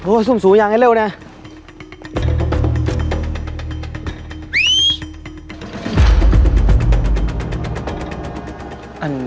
โอ้สุ่มสูงอย่างให้เร็วนะ